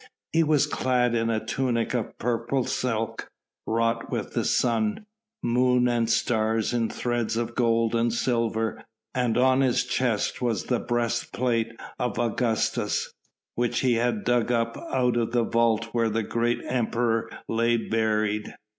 He was clad in a tunic of purple silk, wrought with the sun, moon and stars in threads of gold and silver, and on his chest was the breastplate of Augustus, which he had had dug up out of the vault where the great Emperor lay buried.